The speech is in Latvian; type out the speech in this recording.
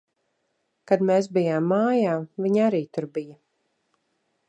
Kad mēs bijām mājā, viņa arī tur bija.